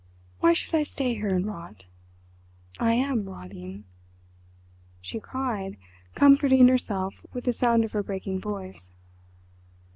Why should I stay here and rot?—I am rotting!" she cried, comforting herself with the sound of her breaking voice.